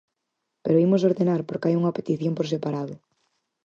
Pero imos ordenar porque hai unha petición por separado.